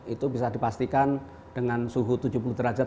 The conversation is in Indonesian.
itu bisa dipastikan dengan suhu tujuh puluh derajat